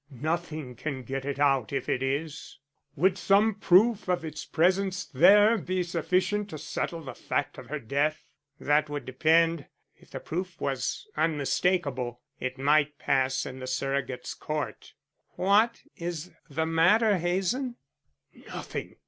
Nothing can get it out if it is. Would some proof of its presence there be sufficient to settle the fact of her death?" "That would depend. If the proof was unmistakable, it might pass in the Surrogate's Court. What is the matter, Hazen?" "Nothing."